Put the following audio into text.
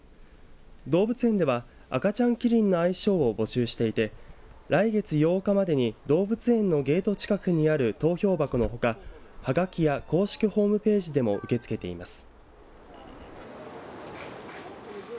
動物園では赤ちゃんキリンの愛称を募集していて来月８日までに動物園のゲート近くにある投票箱のほかはがきや公式ホームページでも受け付けています。